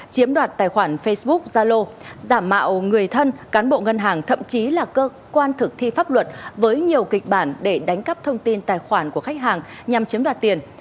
chiếm đoạt tài khoản facebook zalo giả mạo người thân cán bộ ngân hàng thậm chí là cơ quan thực thi pháp luật với nhiều kịch bản để đánh cắp thông tin tài khoản của khách hàng nhằm chiếm đoạt tiền